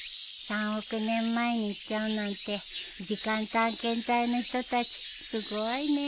３億年前に行っちゃうなんて時間探検隊の人たちすごいね。